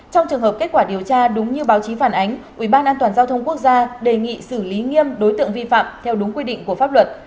trong trường hợp kết quả điều tra đúng như báo chí phản ánh ubnd giao thông quốc gia đề nghị xử lý nghiêm đối tượng vi phạm theo đúng quy định của pháp luật